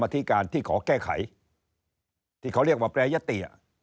ที่เขาเรียกว่าแปรยติ